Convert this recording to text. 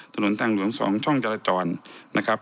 ถนนทางหลวง๒ช่องจราจรนะครับ